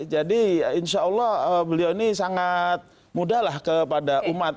jadi insya allah beliau ini sangat mudah lah kepada umat